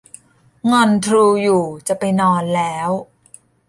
งอนทรูอยู่ จะไปนอนแล้ว